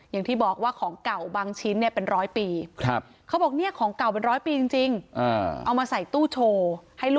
อย่างที่บอกว่าของเก่าบางชิ้นเนี้ยเป็นร้อยปี